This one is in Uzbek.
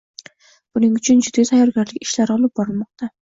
Buning uchun jiddiy tayyorgarlik ishlari olib borilmoqda